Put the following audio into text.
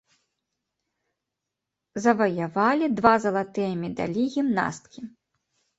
Заваявалі два залатыя медалі гімнасткі.